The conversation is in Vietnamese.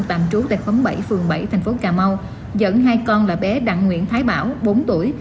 tạm trú tại khóm bảy phường bảy thành phố cà mau dẫn hai con là bé đặng nguyễn thái bảo bốn tuổi